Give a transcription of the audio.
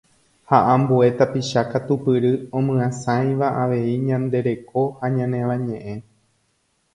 ha ambue tapicha katupyry omyasãiva avei ñande reko ha ñane Avañe'ẽ